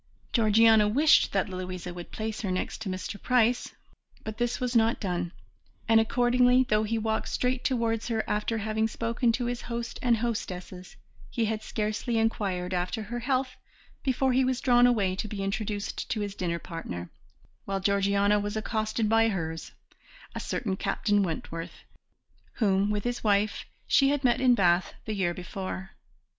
Georgiana wished that Louisa would place her next to Mr. Price, but this was not done, and accordingly, though he walked straight towards her after having spoken to his host and hostesses, he had scarcely inquired after her health before he was drawn away to be introduced to his dinner partner, while Georgiana was accosted by hers, a certain Captain Wentworth whom, with his wife, she had met in Bath the year before.